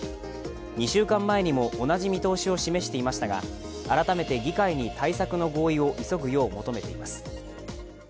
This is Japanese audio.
２週間前にも同じ見通しを示していましたが、改めて議会に対策の合意を急ぐよう求めています。